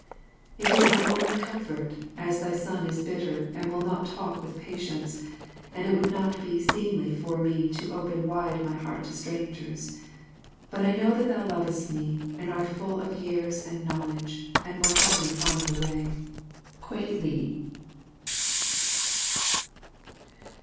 It is my only comfort, as thy son is bitter and will not talk with patience, and it would not be seemly for me to open wide my heart to strangers; but I know thou lovest me and art full of years and knowledge and will help me find the way. Kwei li.